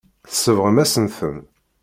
Tsebɣem-asen-ten.